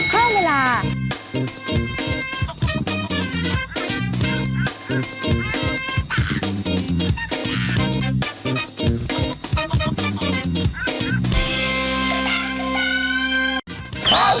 เท่าไหร่